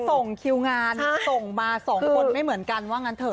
ส่งคิวงานส่งมาสองคนไม่เหมือนกันว่างั้นเถ